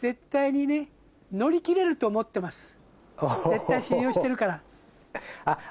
絶対信用してるから。